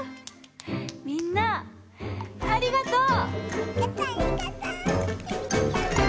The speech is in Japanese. みんなありがとう！